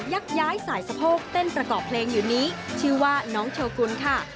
ักย้ายสายสะโพกเต้นประกอบเพลงอยู่นี้ชื่อว่าน้องโชกุลค่ะ